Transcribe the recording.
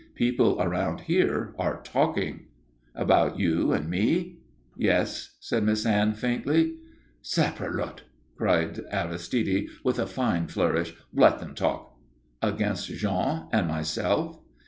People around here are talking." "About you and me?" "Yes," said Miss Anne, faintly. "Saprelotte!" cried Aristide, with a fine flourish, "let them talk!" "Against Jean and myself?"